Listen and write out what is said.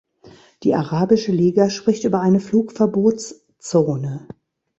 Die Arabische Liga spricht über eine Flugverbotszone.